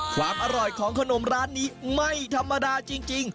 ความอร่อยของขนมร้านนี้ไม่ธรรมดาจริง